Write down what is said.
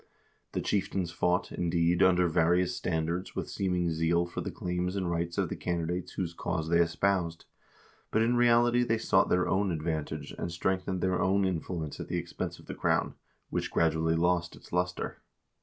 The chieftains fought, indeed, under various standards with seeming zeal for the claims and rights of the candidates whose cause they espoused, but in reality they sought their own advantage, and strengthened their own influence at the expense of the crown, which gradually lost its luster.